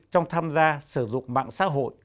trong tham gia sử dụng mạng xã hội